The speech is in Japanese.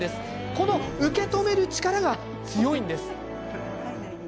この受け止める力が強いんです。